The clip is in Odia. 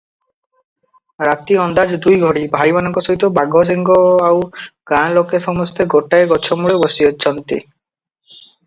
ରାତି ଅନ୍ଦାଜ ଦୁଇଘଡ଼ି, ଭାଇମାନଙ୍କ ସହିତ ବାଘସିଂହ ଆଉ ଗାଁଲୋକେ ସମସ୍ତେ ଗୋଟାଏ ଗଛମୂଳେ ବସିଛନ୍ତି ।